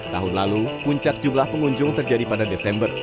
tahun lalu puncak jumlah pengunjung terjadi pada desember